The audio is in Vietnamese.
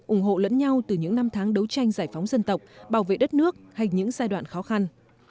ủng hộ lẫn nhau từ những năm tháng đấu tranh giải phóng dân tộc bảo vệ đất nước hay những giai đoạn khó khăn